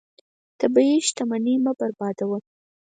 طبیعي شتمنۍ مه بربادوه.